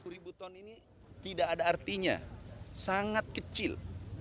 seratus ribu ton ini tidak ada artinya sangat kecil